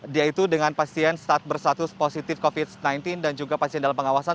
dia itu dengan pasien saat bersatus positif covid sembilan belas dan juga pasien dalam pengawasan